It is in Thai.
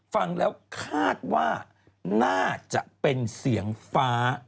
ฟังแล้วคาดว่าน่าจะเป็นเสียงฟ้า